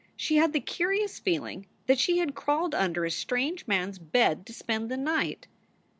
She had the curious feeling that she had crawled under a strange man s bed to spend the night.